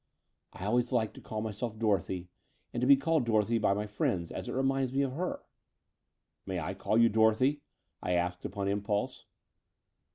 "I always like to call myself Dorothy and to be called Dorothy by my friends, as it re minds me of her." "May I call you Dorothy?" I asked upon im pulse.